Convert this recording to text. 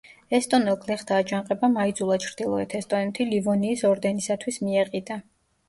ესტონელ გლეხთა აჯანყებამ აიძულა ჩრდილოეთ ესტონეთი ლივონიის ორდენისათვის მიეყიდა.